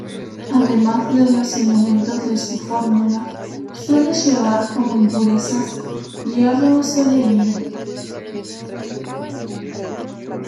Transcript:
Además de los elementos de su fórmula, suele llevar como impurezas: hierro o selenio.